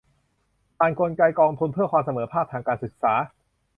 ผ่านกลไกกองทุนเพื่อความเสมอภาคทางการศึกษา